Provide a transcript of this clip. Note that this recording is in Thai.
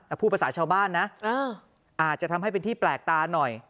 แต่พูดภาษาชาวบ้านนะอาจจะทำให้เป็นที่แปลกตาหน่อย